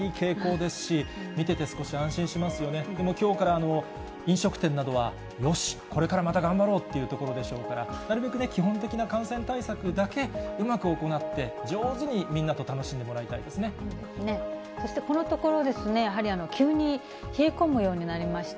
でもきょうから飲食店などは、よし、これからまた頑張ろうというところでしょうから、なるべく基本的な感染対策だけ、うまく行って、上手にみんなと楽しんでもらいたそして、このところ、やはり急に冷え込むようになりました。